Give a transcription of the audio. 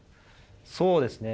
そうですね。